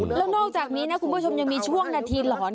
แล้วนอกจากนี้นะคุณผู้ชมยังมีช่วงนาทีหลอน